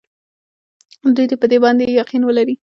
دوی دې په دې باندې یقین ولري.